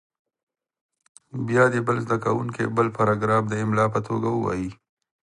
بیا دې بل زده کوونکی بل پاراګراف د املا په توګه ووایي.